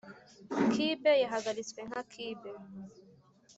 cube yahagaritswe nka cube;